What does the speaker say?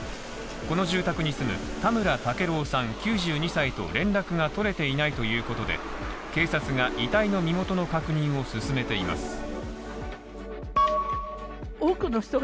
この住宅に住む田村武郎さん９２歳と連絡が取れていないということで警察が遺体の身元の確認を進めています。